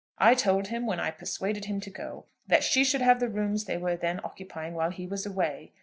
I told him, when I persuaded him to go, that she should have the rooms they were then occupying while he was away.